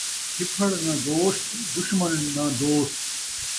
پھپھڑ ناں گوشت، دشمن ناں دوست